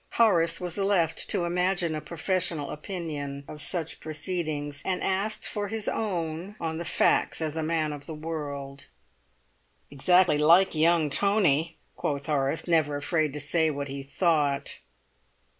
Horace was left to imagine a professional opinion of such proceedings, and asked for his own on the facts as a man of the world. "Exactly like young Tony!" quoth Horace, never afraid to say what he thought.